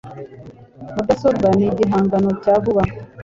Mudasobwa ni igihangano cya vuba.